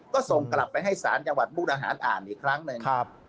ก็ส่งกลับไปให้ศาลจังหวัดมุกดาหารอ่านอีกครั้งหนึ่ง